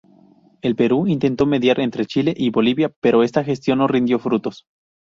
El Perú intentó mediar entre Chile y Bolivia, pero esta gestión no rindió frutos.